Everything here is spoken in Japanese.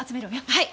はい。